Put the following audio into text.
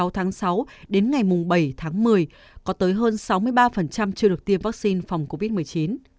hai mươi tháng sáu đến ngày bảy tháng một mươi có tới hơn sáu mươi ba chưa được tiêm vaccine phòng covid một mươi chín